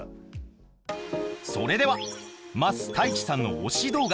それでは桝太一さんの推し動画。